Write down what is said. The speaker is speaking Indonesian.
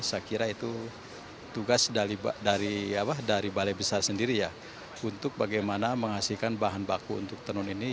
saya kira itu tugas dari balai besar sendiri ya untuk bagaimana menghasilkan bahan baku untuk tenun ini